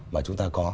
mà chúng ta có